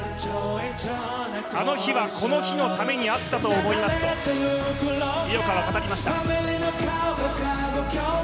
あの日はこの日のためにあったと思いますと井岡は語りました。